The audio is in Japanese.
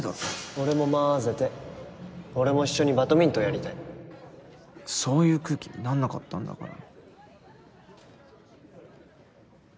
俺もまぜて俺も一緒にバドミントンやりたいそういう空気になんなかったんだから。